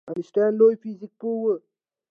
آینسټاین لوی فزیک پوه و